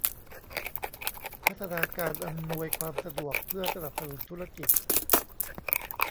พัฒนาการอำนวยความสะดวกเพื่อสนับสนุนธุรกิจ